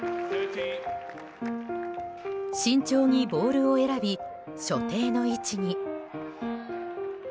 慎重にボールを選び所定の位置に。